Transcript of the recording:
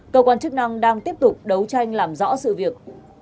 cơ quan chức năng đang tiếp tục đấu tranh làm rõ sự việc